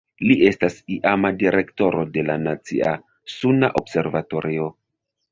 Li estas iama direktoro de la Nacia Suna Observatorio.